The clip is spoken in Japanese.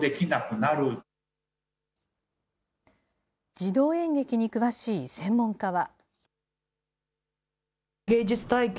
児童演劇に詳しい専門家は。